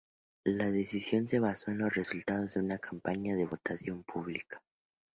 La decisión se basó en los resultados de una campaña de votación pública.